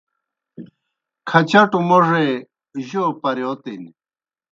کھچٹوْ موڙے جو پرِیوتِن۔